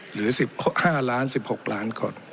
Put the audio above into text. หรือ๑๕ล้าน๑๖ล้านก่อน